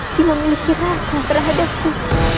si memiliki rasa terhadapku